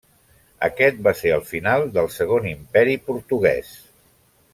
Aquest va ser el final del Segon Imperi Portuguès.